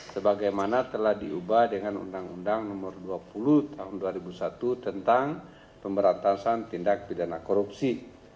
sebagaimana telah diubah dengan undang undang nomor dua puluh tahun dua ribu satu tentang pemberantasan tindak pidana korupsi